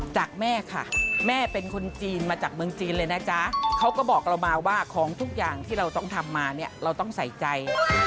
จากแม่ค่ะแม่เป็นคนจีนมาจากเมืองจีนเลยนะจ๊ะเขาก็บอกเรามาว่าของทุกอย่างที่เราต้องทำมาเนี่ยเราต้องใส่ใจ